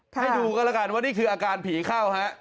ให้ดูก็แล้วกันว่านี่คืออาการผีเข้าฮะ